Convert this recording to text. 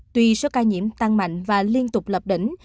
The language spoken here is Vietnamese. tuy số ca nhiễm tăng mạnh và liên tục lập đỉnh